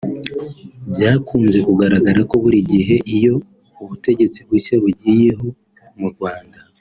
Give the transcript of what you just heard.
Byakunze kugaragara ko buri gihe iyo ubutegetsi bushya bugiyeho mu Rwanda